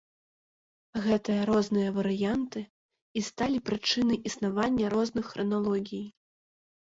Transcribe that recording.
Гэтыя розныя варыянты і сталі прычынай існавання розных храналогіі.